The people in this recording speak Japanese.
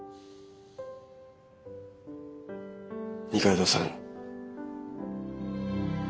二階堂さん。